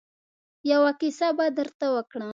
يوه کيسه به درته وکړم.